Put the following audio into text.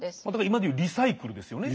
今で言うリサイクルですよね。